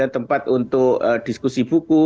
tempat untuk diskusi buku